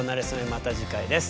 また次回です。